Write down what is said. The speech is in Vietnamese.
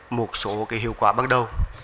một số hiệu quả bắt đầu